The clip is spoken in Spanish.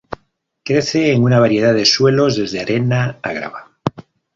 Crece en una variedad de suelos desde arena a grava.